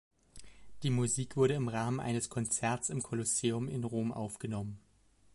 Die Musik wurde im Rahmen eines Konzerts im Kolosseum in Rom aufgenommen.